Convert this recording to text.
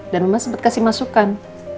dan mama sempat kasih masukan